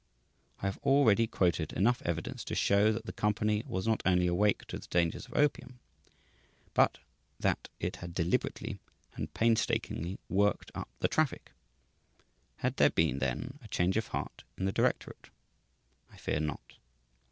I have already quoted enough evidence to show that the company was not only awake to the dangers of opium, but that it had deliberately and painstakingly worked up the traffic. Had there been, then, a change of heart in the directorate? I fear not.